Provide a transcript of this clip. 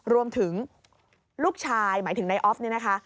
รวมถึงลูกชายหมายถึงในออฟเนี่ยนะคะ